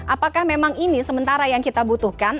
apakah memang ini sementara yang kita butuhkan